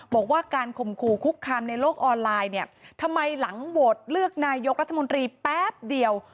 บอกว่าการข่มขู่คุกคามในโลกออนไลน์เนี่ยทำไมหลังโหวตเลือกนายกรัฐมนตรีแป๊บเดียว